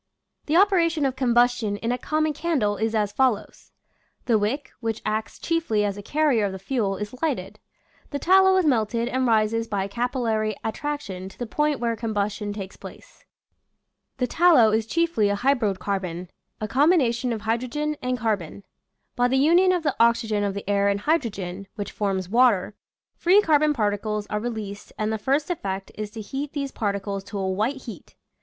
The operation of combustion in a common candle is as follows: The wick, which acts chiefly as a carrier of the fuel, is lighted; the tallow is melted and rises by capillary at traction to the point where combustion takes place. The tallow is chiefly a hydrocarbon, a /~ j , Original from :lc UNIVERSITY OF WISCONSIN 142 flature'e Airaclea. combination of hydrogen and carbon. By the union of the oxygen of the air and hydrogen — which forms water — free carbon particles are released and the first effect is to heat these par ticles to a white heat.